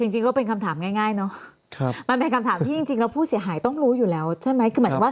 จริงก็เป็นคำถามง่ายเนอะมันเป็นคำถามที่จริงแล้วผู้เสียหายต้องรู้อยู่แล้วใช่ไหมคือเหมือนว่า